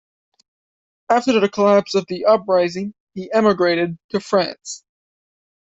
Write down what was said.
After the collapse of the Uprising he emigrated to France.